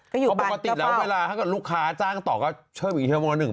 เขาบอกว่าอาจารย์ลูกค้าจ้างต่อก็ช่วยที่๑๐๐๐